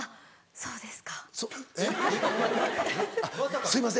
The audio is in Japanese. そうです。